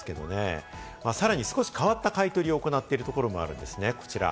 さらに少し変わった買い取りを行っているところもあるんですね、こちら。